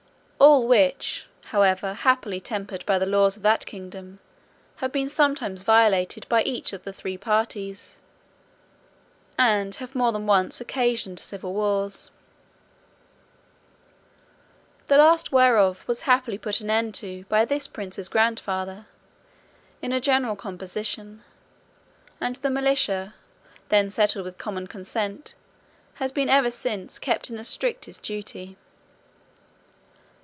All which, however happily tempered by the laws of that kingdom, have been sometimes violated by each of the three parties, and have more than once occasioned civil wars; the last whereof was happily put an end to by this prince's grandfather, in a general composition; and the militia, then settled with common consent, has been ever since kept in the strictest duty.